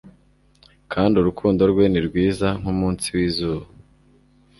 kandi urukundo rwe ni rwiza nkumunsi wizuba